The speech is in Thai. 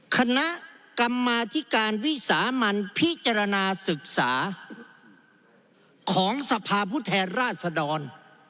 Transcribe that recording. คณะกรรมาธิการวิสามันพิจารณาศึกษาของสภาพผู้แทนราชดร